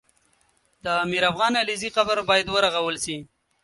د میرافغان علیزي قبر باید ورغول سي